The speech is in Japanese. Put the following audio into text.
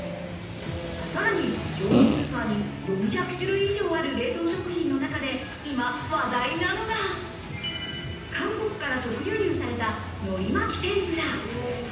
さらに業務スーパーに４００種類以上ある冷凍食品の中で今話題なのが、韓国から直輸入された、のり巻き天ぷら。